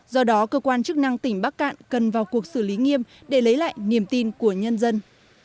do đó cơ quan chức năng tỉnh bắc cạn cần vào cuộc xử lý nghiêm để lấy lại niềm tin của nhân dân